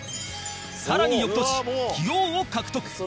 更に翌年、棋王を獲得